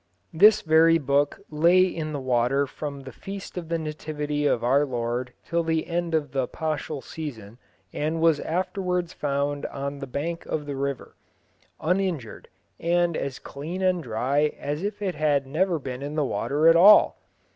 This very book lay in the water from the Feast of the Nativity of our Lord till the end of the Paschal season, and was afterwards found on the bank of the river" uninjured, and as clean and dry as if it had never been in the water at all.